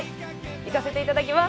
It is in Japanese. いかせていただきます